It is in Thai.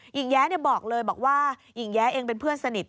แย้บอกเลยบอกว่าหญิงแย้เองเป็นเพื่อนสนิท